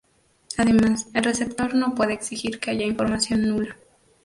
Además, el receptor no puede exigir que haya información nula.